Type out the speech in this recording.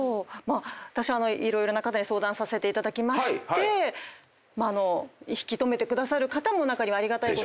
私色々な方に相談させていただきまして引き留めてくださる方も中にはありがたいことに。